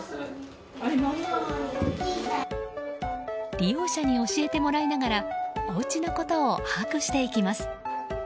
利用者に教えてもらいながらおうちのことを把握していきます。